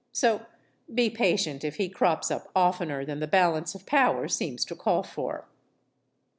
So be patient if he crops up oftener than the balance of power seems to call for.